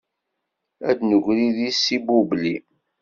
Ad d-negri di silbubli.